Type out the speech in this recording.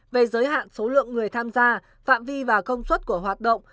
về giới hạn số lượng người tham gia phạm vi và công suất của hoạt động